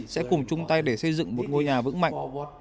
sẽ cùng chung tay để xây dựng một ngôi nhà vững mạnh